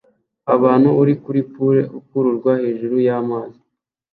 Umuntu uri kuri pulley akururwa hejuru y'amazi